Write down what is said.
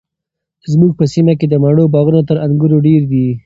زموږ په سیمه کې د مڼو باغونه تر انګورو ډیر دي.